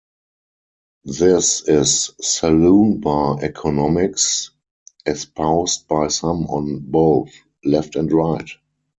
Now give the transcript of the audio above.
This is saloon-bar economics espoused by some on both left and right.